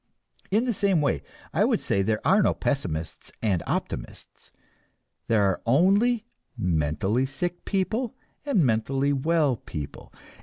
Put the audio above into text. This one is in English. In the same way, I would say there are no pessimists and optimists, there are only mentally sick people and mentally well people.